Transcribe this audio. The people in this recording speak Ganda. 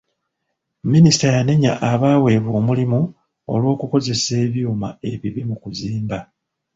Minisita yanenya abaweebwa omulimu olw'okukozesa ebyuma ebibi mu kuzimba.